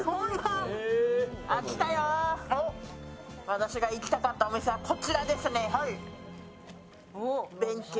私が行きたかったお店はこちらですね。